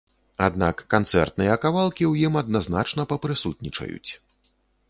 Аднак канцэртныя кавалкі ў ім адназначна папрысутнічаюць.